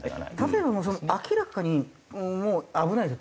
例えば明らかにもう危ないぞと。